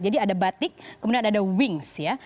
jadi ada batik kemudian ada wings ya